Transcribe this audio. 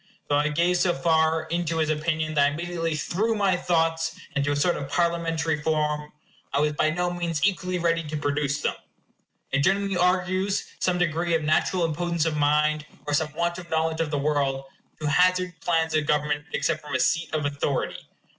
Though I gave so far in to his opinion that I immediately threw my thoughts into a sort of Parliamentary form, I was by no means equally ready to produce them. It generally argues some degree of natural impotence of mind, or some want of knowledge of the world, to hazard plans of government except from a seat of authority.